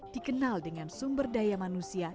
dikenal dengan sumber daya manusia